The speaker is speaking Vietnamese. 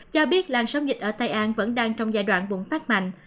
cho biết lan sóng dịch ở tây an vẫn đang trong giai đoạn bùng phát mạnh